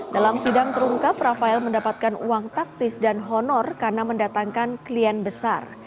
dalam sidang terungkap rafael mendapatkan uang taktis dan honor karena mendatangkan klien besar